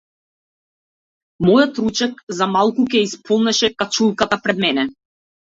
Мојот ручек, за малку ќе ја исполнеше качулката пред мене.